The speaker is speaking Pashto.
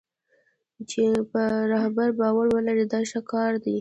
چې په رهبر باور ولري دا ښه کار دی.